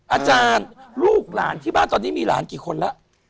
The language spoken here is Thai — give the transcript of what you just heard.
อาจารย์ลูกหลานที่บ้านตอนนี้มีหลานกี่คนแล้ว